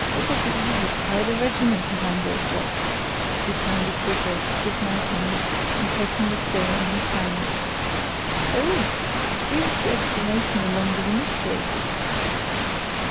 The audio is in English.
"It would be easy to hide a regiment behind those rocks," returned the trooper, dismounting, and taking the stone in his hand. "Oh! here is the explanation along with the mystery."